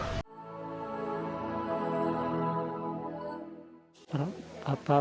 sudara nanda menerima penyakit